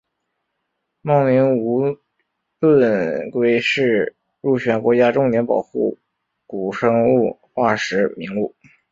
茂名无盾龟是入选国家重点保护古生物化石名录。